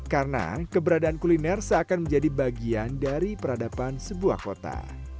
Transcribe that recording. karena keberadaan kuliner seakan menjadi bagian dari peradaban sebuah kota